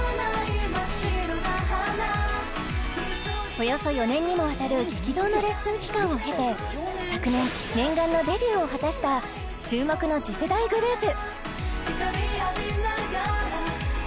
およそ４年にもわたる激動のレッスン期間を経て昨年念願のデビューを果たした注目の次世代グループ